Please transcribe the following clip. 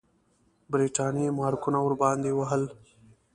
برټانیې مارکونه ورباندې وهل.